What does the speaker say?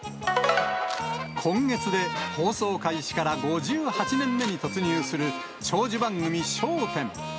今月で放送開始から５８年目に突入する、長寿番組、笑点。